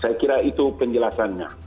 saya kira itu penjelasannya